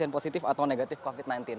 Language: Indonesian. positif atau negatif covid sembilan belas